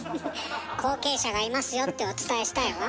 「後継者がいますよ」ってお伝えしたいわ。